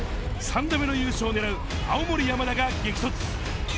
３度目の優勝を狙う青森山田が激突。